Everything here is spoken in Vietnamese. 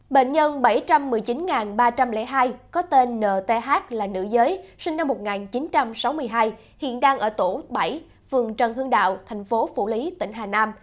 bệnh nhân bảy trăm một mươi chín ba trăm linh hai có tên nth là nữ giới sinh năm một nghìn chín trăm sáu mươi hai hiện đang ở tổ bảy phường trần hương đạo thành phố phủ lý tỉnh hà nam